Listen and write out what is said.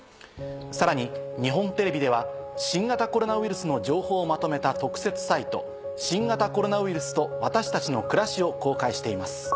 さらに日本テレビでは新型コロナウイルスの情報をまとめた。を公開しています。